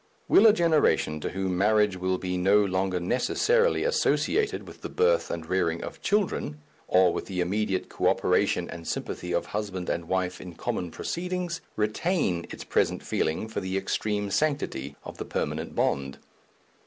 Will a generation to whom marriage will be no longer necessarily associated with the birth and rearing of children, or with the immediate co operation and sympathy of husband and wife in common proceedings, retain its present feeling for the extreme sanctity of the permanent bond?